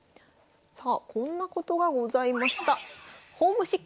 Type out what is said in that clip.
さあこんなことがございました。